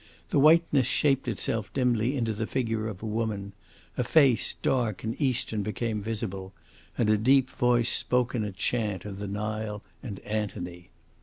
The whiteness shaped itself dimly into the figure of a woman, a face dark and Eastern became visible, and a deep voice spoke in a chant of the Nile and Antony.